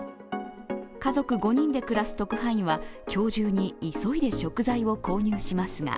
家族５人で暮らす特派員は、今日中に急いで食材を購入しますが